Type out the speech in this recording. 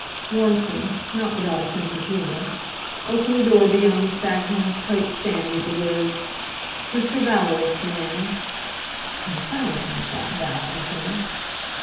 Warmson, not without a sense of humour, opened the door beyond the stag's horn coat stand, with the words: "Mr. Valerus, ma'am." "Confound him!" thought Val, entering.